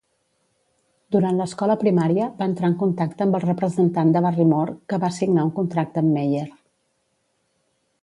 Durant l'escola primària, va entrar en contacte amb el representant de Barrymore, que va signar un contracte amb Meyer.